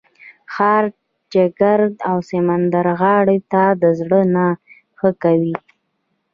ښار چکر او سمندرغاړې ته زړه نه ښه کوي.